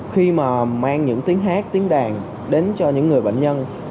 khi mà mang những tiếng hát tiếng đàn đến cho những người bệnh nhân